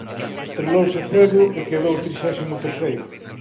Estrelouse cedo e quedou trixésimo terceiro.